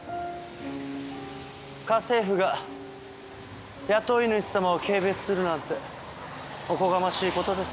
家政婦が雇い主様を軽蔑するなんておこがましい事です。